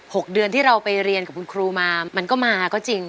หกเดือนที่เราไปเรียนกับคุณครูมามันก็มาก็จริง